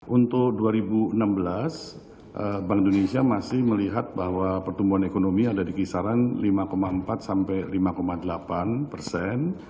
untuk dua ribu enam belas bank indonesia masih melihat bahwa pertumbuhan ekonomi ada di kisaran lima empat sampai lima delapan persen